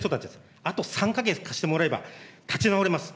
あと３か月貸してもらえれば立ち直れます。